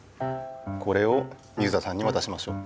これを水田さんにわたしましょう。